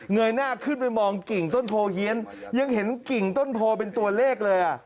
ยหน้าขึ้นไปมองกิ่งต้นโพเฮียนยังเห็นกิ่งต้นโพเป็นตัวเลขเลยอ่ะ